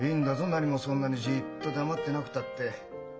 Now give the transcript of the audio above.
なにもそんなにじっと黙ってなくたって。